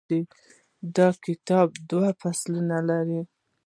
دا کتاب دوه فصلونه لري.